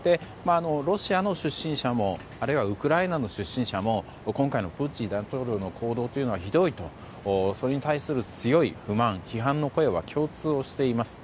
ロシアの出身者もあるいはウクライナの出身者も今回のプーチン大統領の行動というのはひどいとそれに対する強い不満批判の声は共通しています。